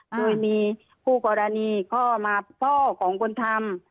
โดยมีคู่กรณีพ่อมาพ่อของคนทำ